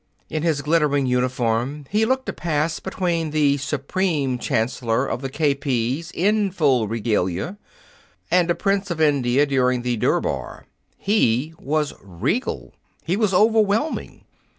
In his glittering uniform, he looked a pass between the supreme chancellor of the K.P.'s in full regalia and a prince of India during the Durbar. He was regal. He was overwhelming.